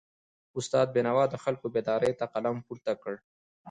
استاد بینوا د خلکو بیداری ته قلم پورته کړ.